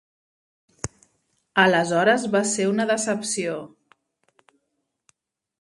Aleshores va ser una decepció.